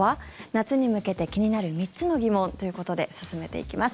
夏に向けて気になる３つの疑問ということで進めていきます。